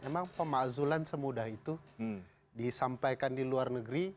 memang pemakzulan semudah itu disampaikan di luar negeri